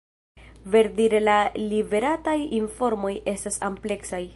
Verdire la liverataj informoj estas ampleksaj.